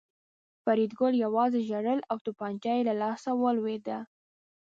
فریدګل یوازې ژړل او توپانچه یې له لاسه ولوېده